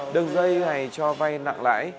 đường dây này cho vay nặng lãi